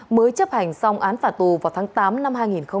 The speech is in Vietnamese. mới chấp hành xong án phả tù vào tháng tám năm hai nghìn hai mươi